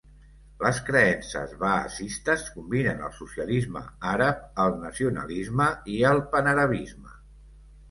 Les creences baasistes combinen el socialisme àrab, el nacionalisme i el panarabisme.